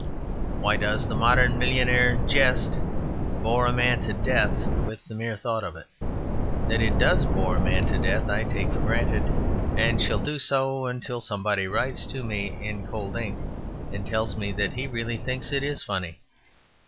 Why does the modern millionaire's jest bore a man to death with the mere thought of it? That it does bore a man to death I take for granted, and shall do so until somebody writes to me in cold ink and tells me that he really thinks it funny.